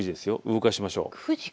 動かしましょう。